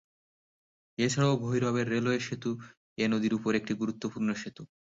এছাড়াও ভৈরবের রেলওয়ে সেতু এ নদীর উপর একটি গুরুত্বপূর্ণ সেতু।